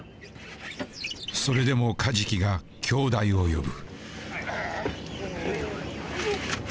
それでもカジキが兄弟を呼ぶ。